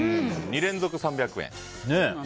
２連続３００円。